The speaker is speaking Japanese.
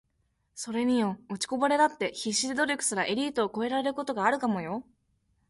｢それによ……落ちこぼれだって必死で努力すりゃエリートを超えることがあるかもよ｣